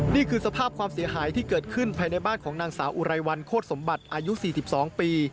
นี่คือสภาพความเสียหายที่เกิดขึ้นภายในบ้านของนางสาวอุไรวันโคตรสมบัติอายุ๔๒ปี